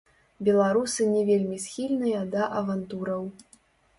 Беларусы не вельмі схільныя да авантураў.